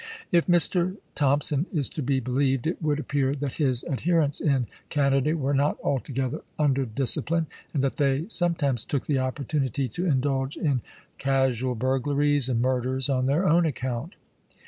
K Mr. Thompson is to be believed, it would appear that his adherents in Canada were not altogether under discipline, and that they some times took the opportunity to indulge in casual 24 ABRAHAM LINCOLN Chap. I. bui'glaries and murders on their own account.